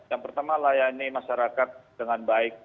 yang pertama layani masyarakat dengan baik